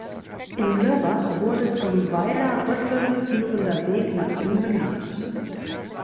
In Lörrach wurde zum Weiler Rötteln führender Weg nach ihm benannt.